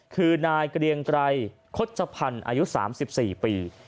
คือนายเกรียงใกล้โคชภัณฑ์อายุ๓๔ปี